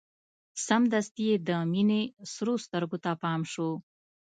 سمدستي يې د مينې سرو سترګو ته پام شو.